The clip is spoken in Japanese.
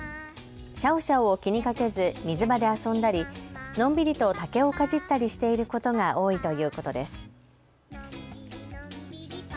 シャオシャオを気にかけず水場で遊んだりのんびりと竹をかじったりしていることが多いということです。